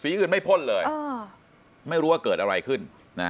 อื่นไม่พ่นเลยไม่รู้ว่าเกิดอะไรขึ้น